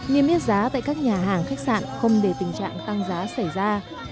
niêm yết giá tại các nhà hàng khách sạn không để tình trạng tăng giá xảy ra